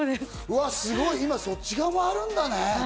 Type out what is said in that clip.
すごい、今そっち側もあるんだね。